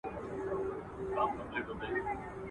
هم له غله هم داړه مار سره یې کار وو!